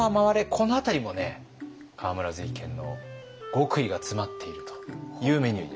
この辺りもね河村瑞賢の極意が詰まっているというメニューになります。